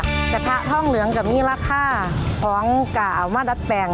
กระทะทองเหลืองกับมีราคาของเก่ามาดัดแปลง